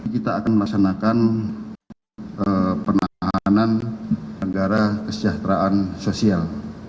kita akan melaksanakan penahanan negara kesejahteraan sosial